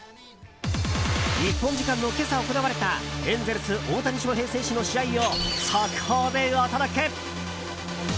日本時間の今朝、行われたエンゼルス、大谷翔平選手の試合を速報でお届け。